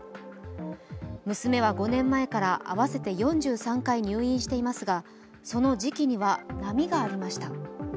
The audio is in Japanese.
娘は５年前から合わせて４３回入院していますがその時期には波がありました。